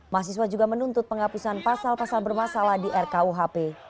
mahasiswa juga menuntut penghapusan pasal pasal bermasalah di rkuhp